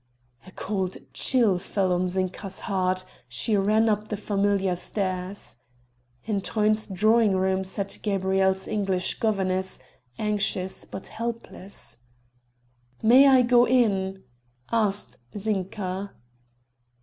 A cold chill fell on Zinka's heart she ran up the familiar stairs. In Truyn's drawing room sat Gabrielle's English governess anxious but helpless. "May I go in?" asked Zinka.